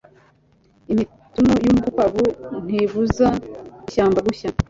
imitunu y'urukwavu ntibuza ishyamba gushya